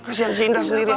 kasian si indah sendiri ya